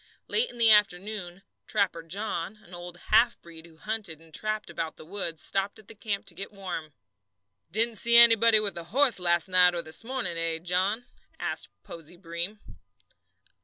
Late in the afternoon "Trapper John," an old half breed who hunted and trapped about the woods, stopped at the camp to get warm. "Didn't see anybody with a horse last night or this morning, eh, John?" asked Posey Breem.